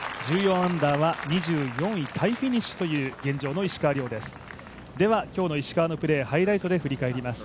１４アンダーは２４位タイフィニッシュという現状の石川です。